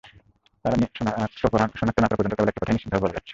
তারা শনাক্ত না করা পর্যন্ত, কেবল একটা কথাই নিশ্চিতভাবে বলা যাচ্ছে।